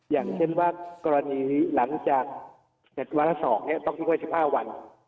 อย่างเช่นว่ากรณีหลังจากเสร็จวาระ๒เนี่ยต้องทิ้งไว้๑๕วัน